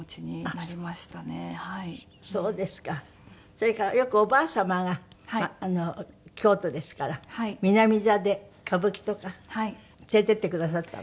それからよくおばあ様が京都ですから南座で歌舞伎とか連れて行ってくださったんですって？